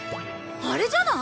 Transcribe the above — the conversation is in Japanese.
あれじゃない？